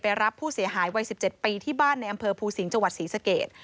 รับผู้เสียหายวัย๑๗ปีที่บ้านในอำเภอภูสิงห์จังหวัดศรีสเกต